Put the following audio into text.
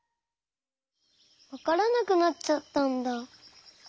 わからなくなっちゃったんだ。